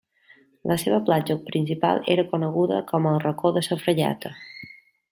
La seva platja principal era coneguda com el Racó de sa Fragata.